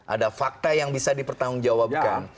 ada fakta yang bisa dipertanggungjawabkan